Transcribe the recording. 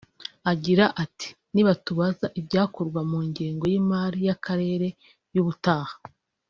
Agira ati “Nibatubaza ibyakorwa mu ngengo y’imari y’akarere y’ubutaha